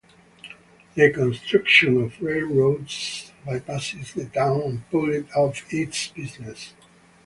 The construction of railroads bypassed the town and pulled off its business.